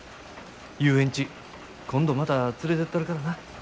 遊園地今度また連れてったるからな。